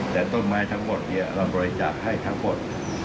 แต่ต้นไม้ทั้งหมดเราบริจาคให้ทั้งหมด